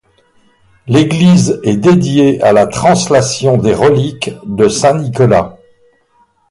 L'église est dédiée à la Translation des reliques de saint Nicolas.